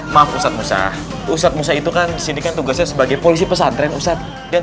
maaf ustadz musa ustadz musa itu kan sindikan tugasnya sebagai polisi pesantren ustadz dan